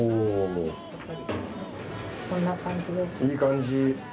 いい感じ。